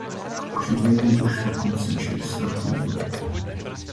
K oživení došlo koncem šedesátých let.